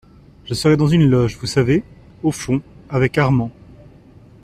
Je serai dans une loge , vous savez ? au fond , avec Armand.